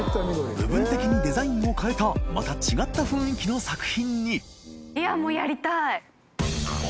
禀デザインを変えたまた違った雰囲気の作品に森川）